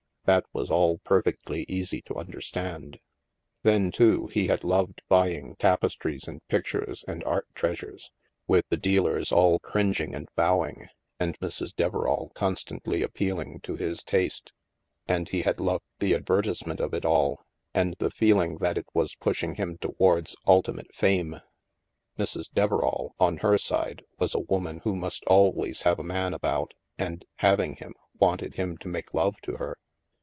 That was all perfectly easy to understand. Then, too, he had loved buying tapestries and pic tures and art treasures, with the dealers all cringing and bowing, and Mrs. Deverall constantly appealing to his taste. And he had loved the advertisement of it all, and the feeling that it was pushing him towards ultimate fame. Mrs. Deverall, on her side, was a woman who must always have a man about and, having him, wanted him to make love to her.